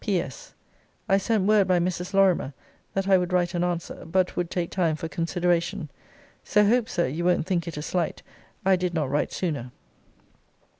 P.S. I sent word by Mrs. Lorimer, that I would write an answer: but would take time for consideration. So hope, Sir, you won't think it a slight, I did not write sooner.